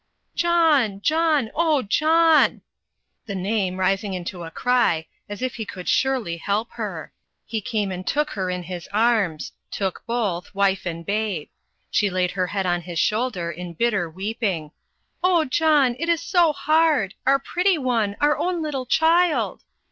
"John! John! oh, John!" the name rising into a cry, as if he could surely help her. He came and took her in his arms took both, wife and babe. She laid her head on his shoulder in bitter weeping. "Oh, John! it is so hard. Our pretty one our own little child!"